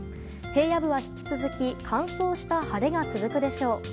平野部は引き続き乾燥した晴れが続くでしょう。